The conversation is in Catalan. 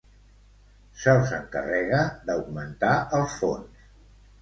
Se'ls encarrega d'augmentar els fons.